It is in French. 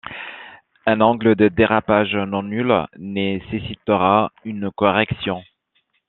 Un angle de dérapage non nul nécessitera une correction.